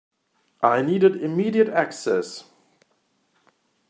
I needed immediate access.